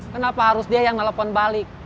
kenapa harus dia yang nelfon balik